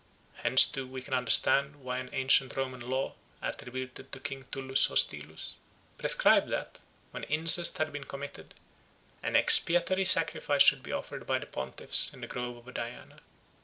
Hence too we can understand why an ancient Roman law, attributed to King Tullus Hostilius, prescribed that, when incest had been committed, an expiatory sacrifice should be offered by the pontiffs in the grove of Diana.